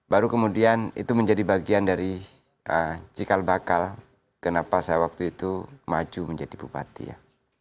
baru kemudian itu menjadi bagian dari cikal bakal kenapa saya waktu itu maju menjadi bupati ya